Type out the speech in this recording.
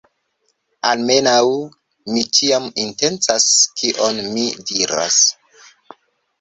Almenaŭ,... mi ĉiam intencas kion mi diras.